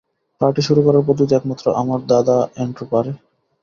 Party শুরু করার পদ্ধতি একমাত্র আমার দাদা অ্যান্ড্রু পারে।